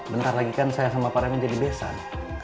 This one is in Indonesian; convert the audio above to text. bentar lagi kan saya sama pak raymond jadi besan